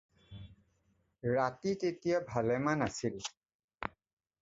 ৰাতি তেতিয়া ভালেমান আছিল।